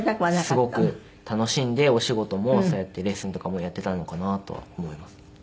すごく楽しんでお仕事もそうやってレッスンとかもやっていたのかなとは思います。